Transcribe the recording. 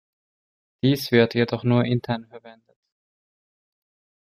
Dies wird jedoch nur intern verwendet.